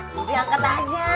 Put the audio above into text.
nanti angkat aja